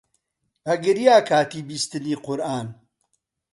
ئەگریا کاتی بیستنی قورئان